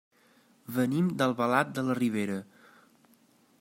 Venim d'Albalat de la Ribera.